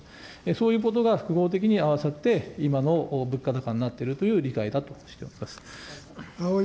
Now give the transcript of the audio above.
そういうことが複合的に合わさって、今の物価高になっているという理解だとしています。